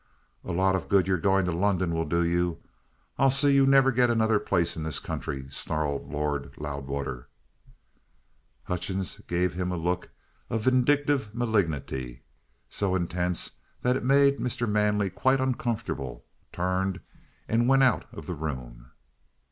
"A lot of good your going to London will do you. I'll see you never get another place in this country," snarled Lord Loudwater. Hutchings gave him a look of vindictive malignity so intense that it made Mr. Manley quite uncomfortable, turned, and went out of the room.